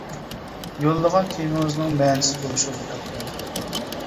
يوللىغان تېمىڭىزنىڭ مەنىسىز بولۇشىغا دىققەت قىلىڭ.